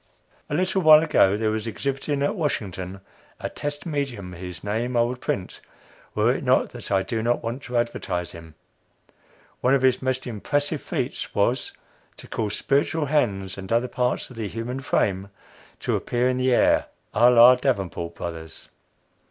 A little while ago, there was exhibiting, at Washington, a "test medium" whose name I would print, were it not that I do not want to advertise him. One of his most impressive feats was, to cause spiritual hands and other parts of the human frame to appear in the air à la Davenport Brothers.